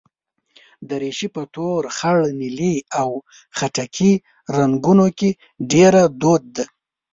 دریشي په تور، خړ، نیلي او خټکي رنګونو کې ډېره دود ده.